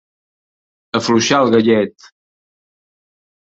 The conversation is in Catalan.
Afluixar el gallet.